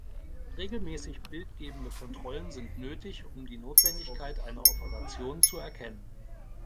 Regelmäßige bildgebende Kontrollen sind nötig, um die Notwendigkeit einer Operation zu erkennen.